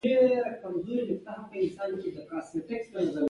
لمر د اسمان تندي ته رسېدلی و.